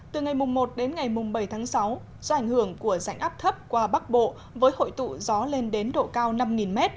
từ ngày một đến ngày bảy tháng sáu do ảnh hưởng của rãnh áp thấp qua bắc bộ với hội tụ gió lên đến độ cao năm m